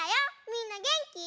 みんなげんき？